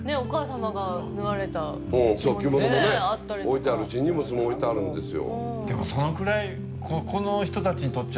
着物もね置いてあるし荷物も置いてあるんですよ。